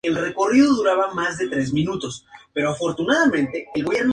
Estudió en el colegio Santo Tomás de Aquino, que era dirigido por curas dominicos.